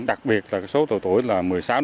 đặc biệt là số độ tuổi là một mươi sáu một mươi tám